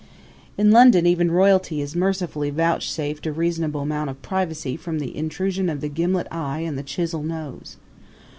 In London even royalty is mercifully vouchsafed a reasonable amount of privacy from the intrusion of the gimlet eye and the chisel nose.